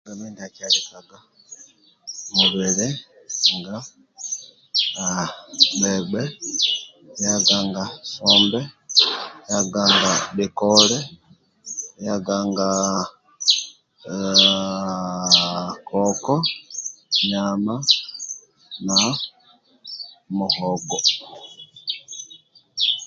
Liaga ndia akialikaga mubili nga aah gauche liaga nga sombe liaga nga bhikole liaga nga aah aaaaah koko nyama na muhogo.